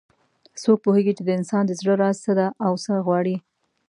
څوک پوهیږي چې د انسان د زړه راز څه ده او څه غواړي